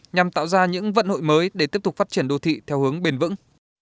nhằm tạo ra những vận hội mới để tiếp tục phát triển đô thị theo hướng bền vững